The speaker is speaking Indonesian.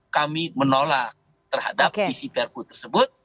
kami menolak terhadap isi perpu tersebut